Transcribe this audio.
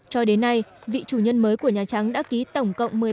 cho đến nay vị chủ nhân mới của nhà trắng đã ký tổng cộng